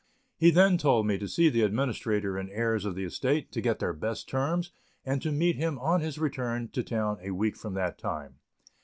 He then told me to see the administrator and heirs of the estate, to get their best terms, and to meet him on his return to town a week from that time.